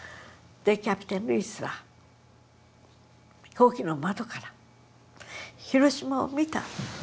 キャプテンルイスは飛行機の窓から広島を見た。